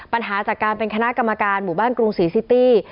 ปัญหาจากการเป็นคณะกรรมการหมู่บ้านกรุงศรีซิตี้